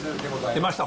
出ました！